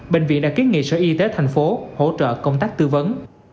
bệnh viện đã kiến nghị sở y tế thành phố hỗ trợ công tác tư vấn